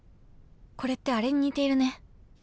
これってあれに似ているね